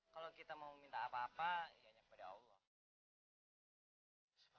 kalau kita mau meminta apa apa ya ini kepada allah